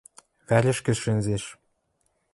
Вӓрӹшкӹжӹ шӹнзеш.